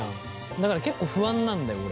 だから結構不安なんだよ俺。